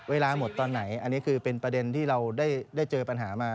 เวลาหมดตอนไหนอันนี้คือเป็นประเด็นที่เราได้เจอปัญหามา